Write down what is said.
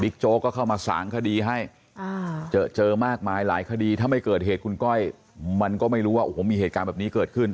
โจ๊กก็เข้ามาสางคดีให้เจอมากมายหลายคดีถ้าไม่เกิดเหตุคุณก้อยมันก็ไม่รู้ว่าโอ้โหมีเหตุการณ์แบบนี้เกิดขึ้น